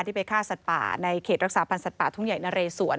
ไปฆ่าสัตว์ป่าในเขตรักษาพันธ์สัตว์ป่าทุ่งใหญ่นะเรสวน